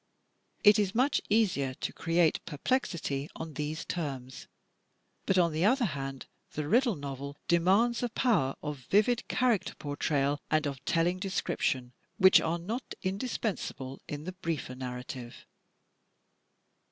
It is much easier to create perplexity on these terms; but on the other hand, the riddle novel demands a power of vivid character portrayal and of telling description which are not indispensable in the briefer nar rative.